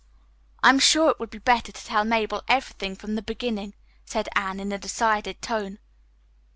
"I am sure it would be better to tell Mabel everything from the beginning," said Anne in a decided tone.